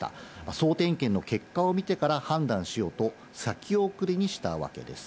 総点検の結果を見てから判断しようと、先送りにしたわけです。